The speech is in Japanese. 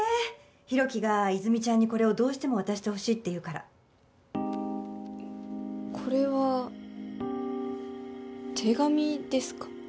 広樹が泉ちゃんにこれをどうしても渡してほしいって言うからこれは手紙ですか？